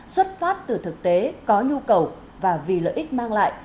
xuất phát từ thực tế có nhu cầu và vì lợi ích mang lại